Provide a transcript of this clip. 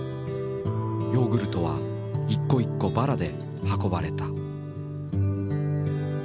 ヨーグルトは一個一個バラで運ばれた。